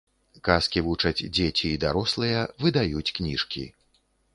Казкі вучаць дзеці і дарослыя, выдаюць кніжкі.